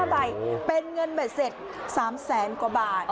๕ใบเป็นเงินเบ็ดเสร็จ๓แสนกว่าบาท